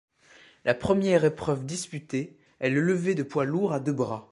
La première épreuve disputée est le lever de poids lourd à deux bras.